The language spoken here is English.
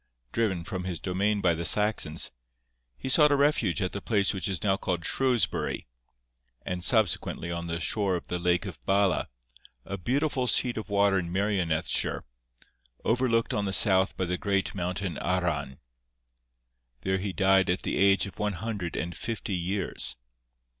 Driven from his domain by the Saxons, he sought a refuge at the place which is now called Shrewsbury, and subsequently on the shore of the lake of Bala, a beautiful sheet of water in Merionethshire, overlooked on the south by the great mountain Arran. There he died at the age of one hundred and fifty years.